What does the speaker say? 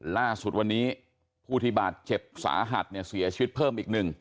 ล่าสุดวันนี้ผู้ที่บาดเจ็บสาหัสเนี่ยเสียชีวิตเพิ่มอีกหนึ่ง